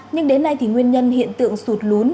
nhưng đến nay thì nguyên nhân hiện tượng sụt lún